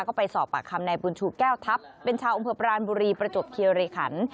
ก็ไปสอบปากคำในบุญชูแก้วทัพเป็นชาวอำเภอปรานบุรีประจบคิริขัน